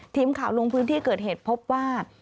ทีมข่าวลงพื้นที่เกิดเหตุพบว่า